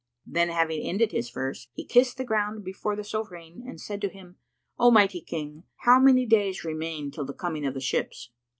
Then having ended his verse he kissed the ground before the Sovran and said to him, "O mighty King, how many days remain till the coming of the ships?"